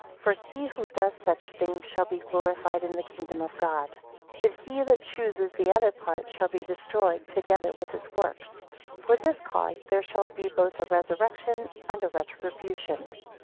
For he who does such things shall be glorified in the kingdom of Hod. 8 But he that chooses the other part, shall be destroyed, together with his works. For this cause there shall be both a resurrection, and a retribution.